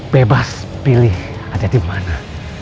bebas pilih ada di mana